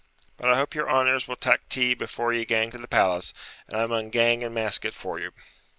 But I hope your honours will tak tea before ye gang to the palace, and I maun gang and mask it for you.'